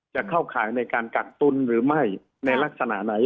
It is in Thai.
จะเข้าข่ายในการกักตุ้นหรือไม่ในลักษณะไหน